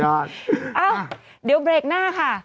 เอ้าเดี๋ยวเบรกหน้าค่ะ